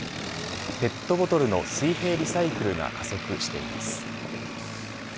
ペットボトルの水平リサイクルが加速しています。